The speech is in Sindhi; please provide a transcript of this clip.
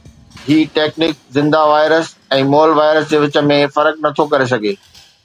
هي ٽيڪنڪ زنده وائرس ۽ مئل وائرس جي وچ ۾ فرق نٿو ڪري سگهي